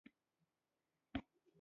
د الکسندریه ښارونه یې جوړ کړل